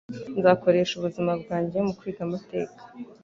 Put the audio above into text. Nzakoresha ubuzima bwanjye mukwiga amateka.